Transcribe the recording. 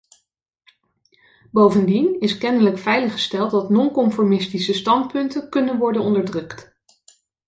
Bovendien is kennelijk veiliggesteld dat non-conformistische standpunten kunnen worden onderdrukt.